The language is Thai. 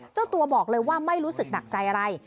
เจ้าตัวบอกเลยว่าไม่รู้สึกหนักใจอะไร